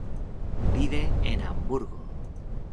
Vive en Hamburgo